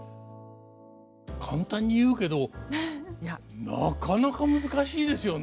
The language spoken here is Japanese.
簡単に言うけどなかなか難しいですよね。